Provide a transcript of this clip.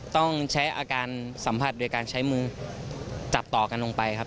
ต้องใช้อาการสัมผัสโดยการใช้มือจับต่อกันลงไปครับ